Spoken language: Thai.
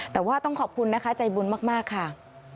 แต่ว่าต้องขอบคุณนะคะใจบุญมากค่ะ